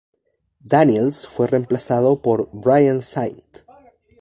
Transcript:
Daniels fue remplazado por Brian St.